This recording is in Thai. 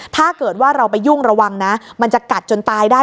ถ้าเกิดว่าเราไปยุ่งระวังนะมันจะกัดจนตายได้